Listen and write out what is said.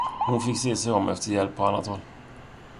Hon fick se sig om efter hjälp på annat håll.